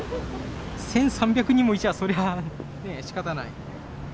１３００人もいちゃ、そりゃねぇ、しかたない。